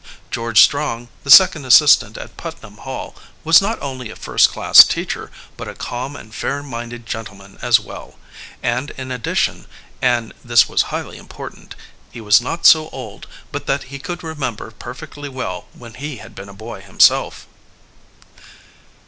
George Strong, the second assistant at Putnam: Hall, was not only a first class teacher, but a calm and fair minded gentleman as well; and in addition, and this was highly important, he was not so old but that he could remember perfectly well when he had been a boy himself.